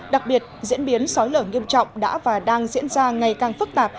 đặc biệt diễn biến sói lở nghiêm trọng đã và đang diễn ra ngày càng phức tạp